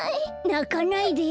なかないで。